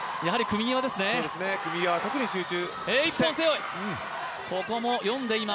組み際、特に集中。